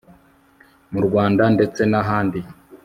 mu rwanda ndetse nahandi